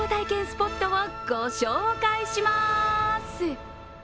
スポットをご紹介します。